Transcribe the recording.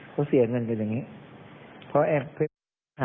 เหล่ะ้าเสียเงินกันอย่างนี้